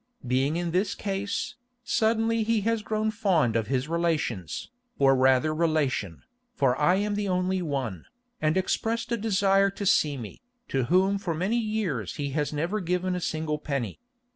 Being in this case, suddenly he has grown fond of his relations, or rather relation, for I am the only one, and expressed a desire to see me, to whom for many years he has never given a single penny.